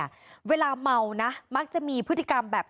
ขณะเดียวกันคุณอ้อยคนที่เป็นเมียฝรั่งคนนั้นแหละ